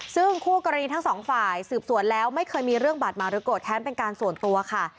ซึ่งคู่กรณีทั้งสองฝ่ายสืบสวนแล้วไม่เคยมีเรื่องบาดหมางหรือโกรธแค้นเป็นการส่วนตัวค่ะ